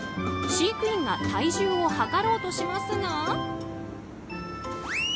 飼育員が体重を量ろうとしますが。